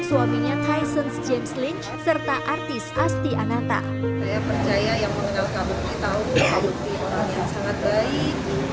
suaminya tyson james lynch serta artis asti ananta percaya yang menengahkan kita untuk